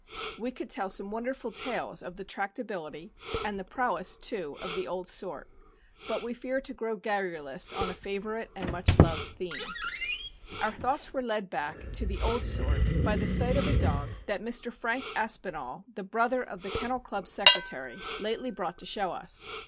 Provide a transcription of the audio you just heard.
We could tell some won derful tales of the tractability, and the prowess, too, of the old sort, but we fear to grow garrulous on a favorite and much loved theme. Our thoughts were led back to "the old sort" by the sight of a dog that 416 THE AMEEICAN BOOK OF THE DOG. Mr. Frank Aspinall, the brother of the Kennel Club secretary, lately brought to show us.